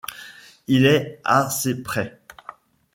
Il est à ses prés.